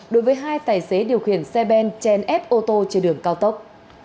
đối với hai tài xế điều khiển xe ben trên ép ô tô trên đường cao tốc